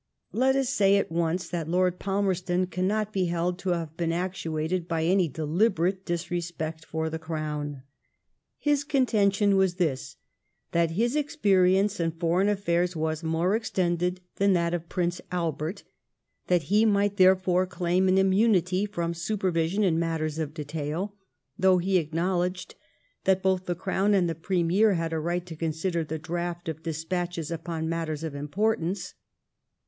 Let us say at once that Lord Palmerston cannot be held to have been actuated by any deliberate disrespect for the Crown. His contention was this — ^that his experience in foreign afFairs was more extended than that of Prince Albert^ and that he might therefore claim an immunity from supervision in matters of detail, though he acknow ledged that both the Crown and the Premier had a right to consider the draft of despatches upon matters of im portance.